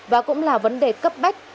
và cũng là vấn đề cấp bách